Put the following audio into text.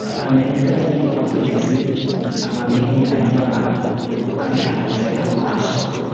Amerika yagiye ku Kwezi amamiliyari y’abantu abihanze amaso